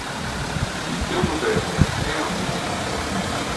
Il piano terra è a bugnato.